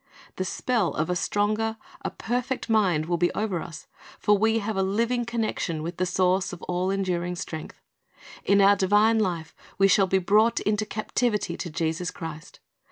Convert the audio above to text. "^ The spell of a stronger, a perfect mind will be over us; for we have a living connection with the source of all enduring strength. In our divine life we shall be brought into captivity to Jesus Christ.